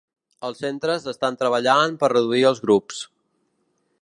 Els centres estan treballant per reduir els grups.